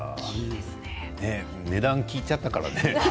値段を聞いちゃったからね